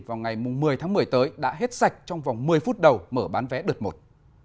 vào ngày một mươi tháng một mươi tới đã hết sạch trong vòng một mươi phút đầu mở bán vé đợt một